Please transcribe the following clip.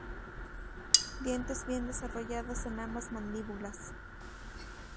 Dientes bien desarrolladas en ambas mandíbulas.